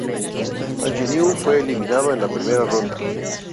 Agnew fue eliminado en la primera ronda.